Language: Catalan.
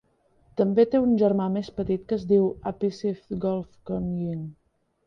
També te un germà més petit que es diu Apisith Golf Kongying.